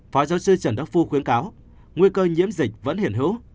phó giáo sư trần đắc phu khuyến cáo nguy cơ nhiễm dịch vẫn hiện hữu